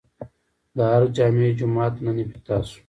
د ارګ جامع جومات نن افتتاح شو